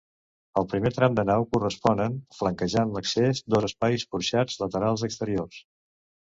Al primer tram de nau corresponen, flanquejant l'accés, dos espais porxats laterals exteriors.